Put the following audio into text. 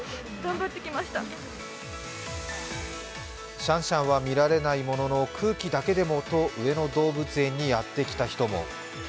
シャンシャンは見られないものの空気だけでもと上野動物園にやってきた人も。